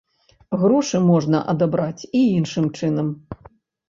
Грошы можна адабраць і іншы чынам.